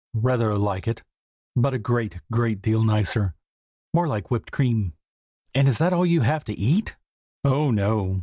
"Rather like it, but a great, great deal nicer, more like whipped cream." "And is that all you have to eat?" "Oh, no!